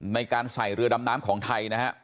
ในการใส่เรือดำน้ำของไทยนะฮะ